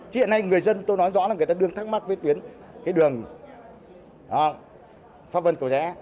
chứ hiện nay người dân tôi nói rõ là người ta đương thắc mắc với tuyến cái đường pháp vân cầu rẽ